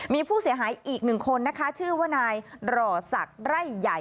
มีผู้เสียหายอีกหนึ่งคนนะคะชื่อว่านายหล่อศักดิ์ไร่ใหญ่